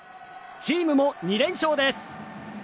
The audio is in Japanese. チームも２連勝です。